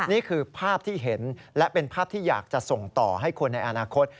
นี่คือภาพที่เห็นและเป็นภาพที่อยากจะส่งต่อให้คนในอนาคต